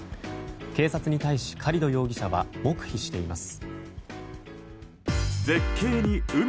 警察に対し、カリド容疑者は黙秘しています。